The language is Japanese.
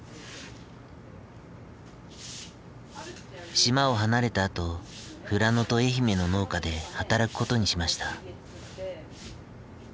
島を離れたあと富良野と愛媛の農家で働くことにしました。